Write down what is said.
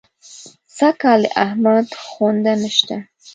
سږکال د احمد خونده نه شته.